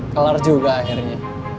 kelar juga akhirnya